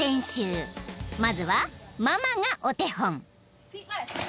［まずはママがお手本］